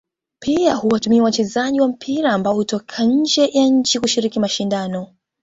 Pia huwatumia wachezaji wa mpira ambao hutoka nje ya nchi kushiriki mashindano